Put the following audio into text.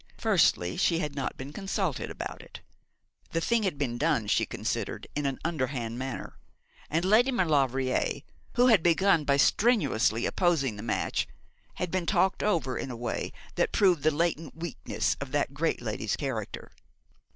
Firstly, she had not been consulted about it. The thing had been done, she considered, in an underhand manner; and Lady Maulevrier, who had begun by strenuously opposing the match, had been talked over in a way that proved the latent weakness of that great lady's character.